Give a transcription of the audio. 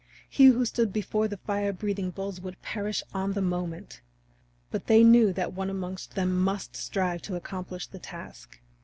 He who stood before the fire breathing bulls would perish on the moment. But they knew that one amongst them must strive to accomplish the task.